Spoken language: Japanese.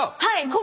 はい。